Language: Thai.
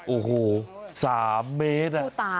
โอ้โห๓เมตร